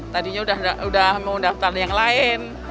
tadinya sudah mau daftar yang lain